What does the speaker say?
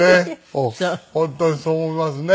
本当にそう思いますね。